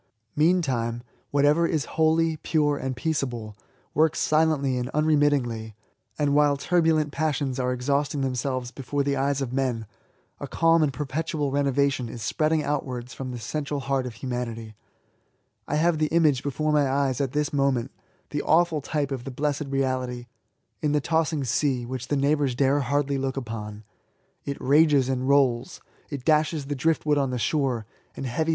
Meantime, whatever is holy, pure, and peaceable, works silently and unremittingly ; and while turbulent passions are exhausting them selves before the eyes of men, a calm and perpetual renovation is spreading outwards from the central heart of humanity, I have the image before my eyes at this moment — the awful type of the blessed reality — in the tossing sea, which the neighbours dare hardly look upon. It rages and rolls, it dashes the drift wood on the shore, and heavy 102 ESSAYS.